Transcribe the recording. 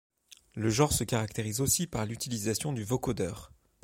Le genre se caractérise aussi par l'utilisation du vocodeur.